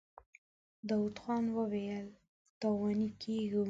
داوود خان وويل: تاواني کېږو.